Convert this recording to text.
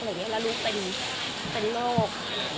และรู้เป็นโรค